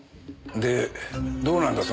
でどうなんだ？